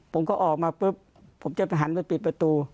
ผมก็ออกมาปุ๊บผมจะหันไปปิดประตู